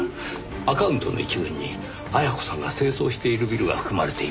アカウントの一群に絢子さんが清掃しているビルが含まれています。